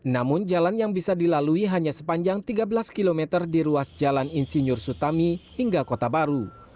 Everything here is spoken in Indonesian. namun jalan yang bisa dilalui hanya sepanjang tiga belas km di ruas jalan insinyur sutami hingga kota baru